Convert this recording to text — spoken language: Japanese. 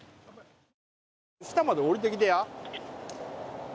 下まで下りてきてや。